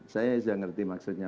saya sudah mengerti maksudnya